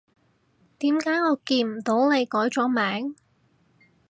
點解我見唔到你改咗名？